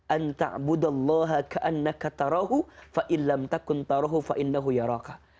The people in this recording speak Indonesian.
an ta'budallaha ka'annaka tara'hu fa'illam takuntara'hu fa'innahu yaraka